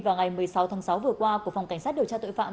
vào ngày một mươi sáu tháng sáu vừa qua của phòng cảnh sát điều tra tội phạm